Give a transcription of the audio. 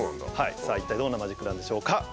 さあ一体どんなマジックなんでしょうか。